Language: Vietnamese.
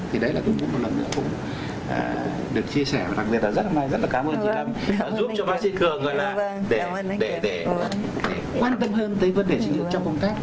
thì đấy là một lần nữa cũng được chia sẻ và đặc biệt là rất là cảm ơn chị lâm đã giúp cho bác sĩ cường để quan tâm hơn tới vấn đề sinh dưỡng trong công tác